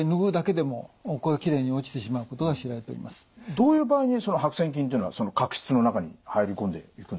どういう場合に白癬菌っていうのは角質の中に入り込んでいくんですか？